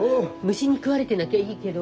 虫に食われてなきゃいいけど。